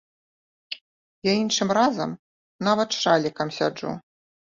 Я іншым разам нават з шалікам сяджу.